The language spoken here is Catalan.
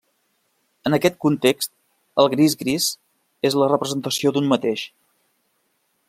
En aquest context, el gris-gris és la representació d'un mateix.